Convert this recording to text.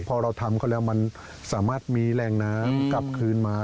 พอเราทำเขาแล้วมันสามารถมีแรงน้ำกลับคืนมา